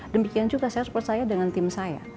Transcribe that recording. dan juga saya harus percaya dengan tim saya